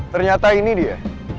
ternyata ini dia